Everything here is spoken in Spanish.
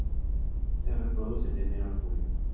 Se reproducen de enero a junio.